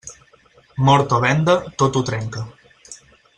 Mort o venda, tot ho trenca.